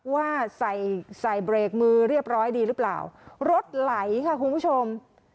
ว่าใส่ใส่เบรกมือเรียบร้อยดีหรือเปล่ารถไหลค่ะคุณผู้ชม